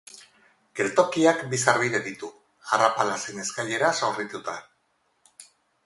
Geltokiak bi sarbide ditu, arrapala zein eskaileraz hornituta.